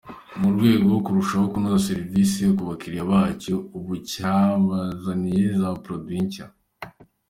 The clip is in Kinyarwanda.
Mu rwego rwo kurushaho kunoza serivisi ku bakiriya bacyo, ubu cyabazaniye za Products nshya.